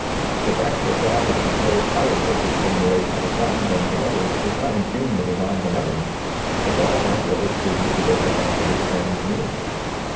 The fact that God has disclosed higher purpose in relation to some than to others does not impugn the divine benevolence, if all have what is suited to their capacity and need.